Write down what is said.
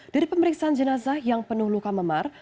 dari pemeriksaan jenazah yang penuh luka memar